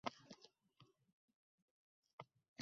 Fotimaxonim izlagan narsa mana shudir.